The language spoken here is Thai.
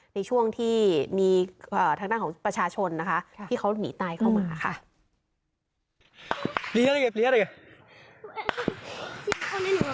ในช่วงที่มีทางด้านของประชาชนนะคะที่เขาหนีตายเข้ามาค่ะ